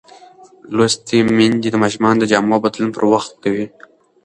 لوستې میندې د ماشومانو د جامو بدلون پر وخت کوي.